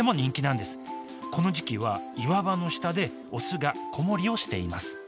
この時期は岩場の下でオスが子守をしています。